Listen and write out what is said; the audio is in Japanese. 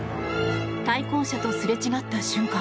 対向車とすれ違った瞬間